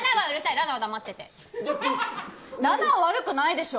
裸奈は悪くないでしょ。